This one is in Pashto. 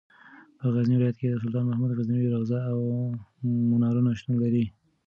په غزني ولایت کې د سلطان محمود غزنوي روضه او منارونه شتون لري.